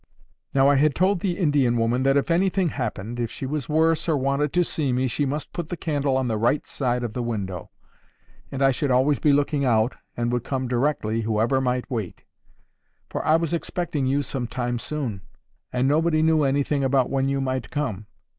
—'Now I had told the Indian woman that if anything happened, if she was worse, or wanted to see me, she must put the candle on the right side of the window, and I should always be looking out, and would come directly, whoever might wait. For I was expecting you some time soon, and nobody knew anything about when you might come.